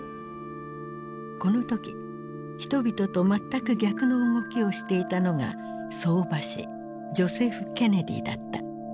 この時人々と全く逆の動きをしていたのが相場師ジョセフ・ケネディだった。